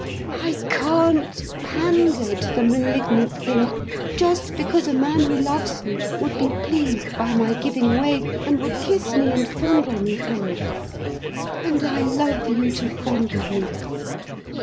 I can't pander to the malignant thing, just because a man who loves me would be pleased by my giving way and would kiss me, and fondle me for it. And I love you to fondle me.